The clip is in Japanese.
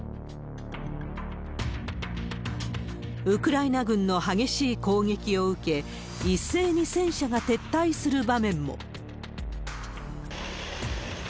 ウクライナ軍の激しい攻撃を受け、一斉に戦車が撤退する場面も。